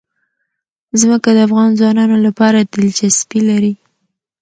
ځمکه د افغان ځوانانو لپاره دلچسپي لري.